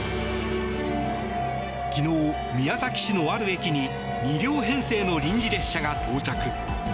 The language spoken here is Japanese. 昨日、宮崎市のある駅に２両編成の臨時列車が到着。